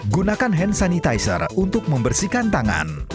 gunakan hand sanitizer untuk membersihkan tangan